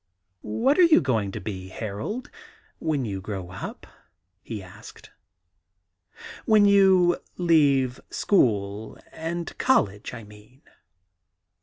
*What are you going to be, Harold, when you grow up,' he asked — *when you leave school and college, I mean